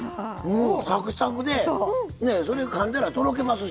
サクサクでねそれでかんだらとろけますし。